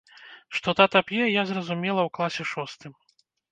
Што тата п'е, я зразумела ў класе шостым.